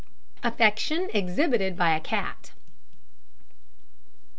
AFFECTION EXHIBITED BY A CAT.